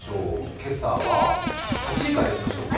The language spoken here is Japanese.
今朝は８位からいきましょうか。